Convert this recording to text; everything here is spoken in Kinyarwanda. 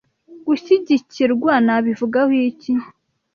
gushyigikirwa nabivuga ho iki